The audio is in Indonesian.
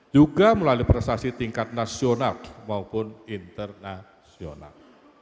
juga melalui prestasi tingkat nasional maupun internasional